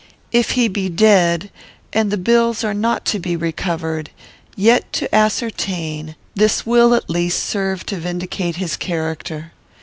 "'If he be dead, and if the bills are not to be recovered, yet to ascertain this will, at least, serve to vindicate his character.